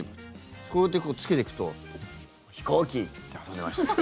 こうやってつけてくと飛行機！って遊んでました。